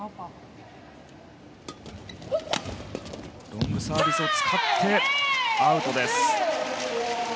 ロングサービスを使ったがアウト。